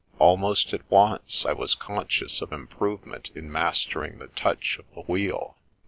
Almost at once, I was conscious of improvement in mastering the touch of the wheel.